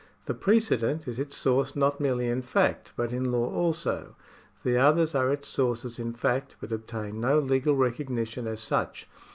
The precedent is its source not merely in fact, but in law also ; the others are its sources in fact, but obtain no legal recognition as such.